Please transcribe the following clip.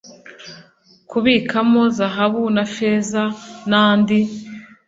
kubikamo zahabu na ifeza n andi